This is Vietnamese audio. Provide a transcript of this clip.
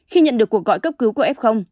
khi nhận được cuộc gọi cấp cứu của f